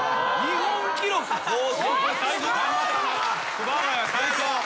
熊谷最高。